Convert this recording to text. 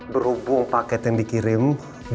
berhubung paket yang dikirim bunganya itu tidak ada